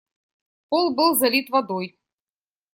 Пол был залит водой.